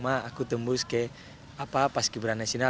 ma aku tembus ke apa pas keberan nasional